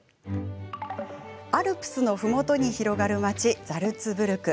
アルプスのふもとに広がる街ザルツブルク。